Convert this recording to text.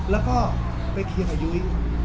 แล้วก็ไปเคียงขายุ้ย